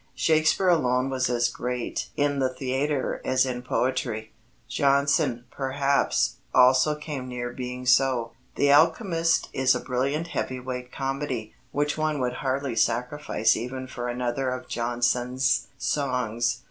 Shakespeare alone was as great in the theatre as in poetry. Jonson, perhaps, also came near being so. The Alchemist is a brilliant heavy weight comedy, which one would hardly sacrifice even for another of Jonson's songs.